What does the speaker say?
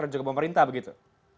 dan juga pemerintah begitu